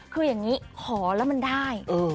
คืออย่างนี้ขอแล้วมันได้